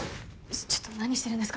ちょっと何してるんですか？